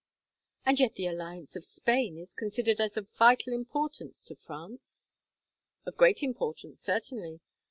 "And yet the alliance of Spain is considered as of vital importance to France!" "Of great importance, certainly.